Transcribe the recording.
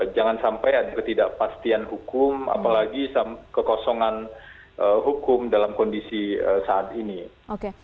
jangan sampai ada ketidakpastian hukum apalagi kekosongan hukum dalam kondisi saat ini